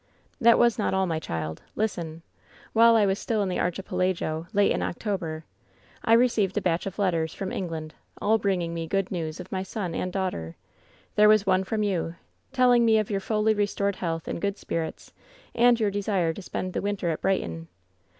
" 'That was not all, my child. Listen. While I was still in the archipelago, late in October, I received a batch of letters from England, all bringing me good news of my son and daughter. There was one from you, telling me of your fully restored health and good spirits, and your desire to spend the winter at Brighton.